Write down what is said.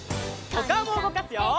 おかおもうごかすよ！